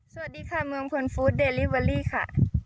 สวัสดีค่ะเมืองคนฟู้ดเดลิเวอรี่ค่ะ